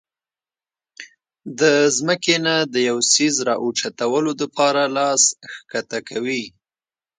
د زمکې نه د يو څيز را اوچتولو د پاره لاس ښکته کوي